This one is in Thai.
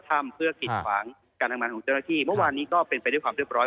ถ้ำเพื่อกิดขวางการทำงานของเจ้าหน้าที่เมื่อวานนี้ก็เป็นไปด้วยความเรียบร้อย